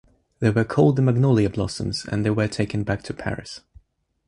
They were called the "Magnolia Blossoms" and they were taken back to Paris.